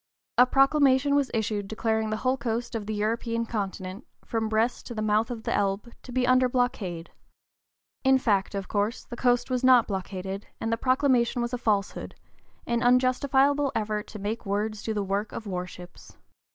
A proclamation was issued declaring the whole (p. 041) coast of the European continent, from Brest to the mouth of the Elbe, to be under blockade. In fact, of course, the coast was not blockaded, and the proclamation was a falsehood, an unjustifiable effort to make words do the work of war ships.